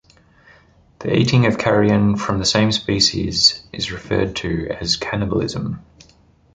The eating of carrion from the same species is referred to as cannibalism.